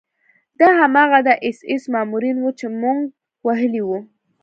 دا هماغه د اېس ایس مامورین وو چې موږ وهلي وو